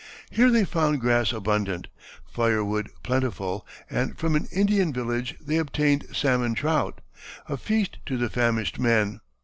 Here they found grass abundant, fire wood plentiful, and from an Indian village they obtained salmon trout, a feast to the famished men.